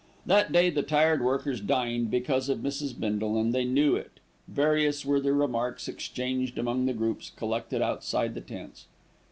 That day the Tired Workers dined because of Mrs. Bindle, and they knew it. Various were the remarks exchanged among the groups collected outside the tents.